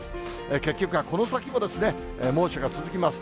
結局はこの先も猛暑が続きます。